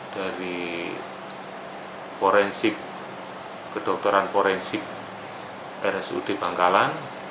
dari forensik kedokteran forensik rsud bangkalan